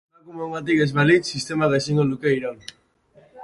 Emakumeongatik ez balitz, sistemak ezingo luke iraun.